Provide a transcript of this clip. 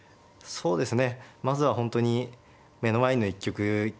そうですね。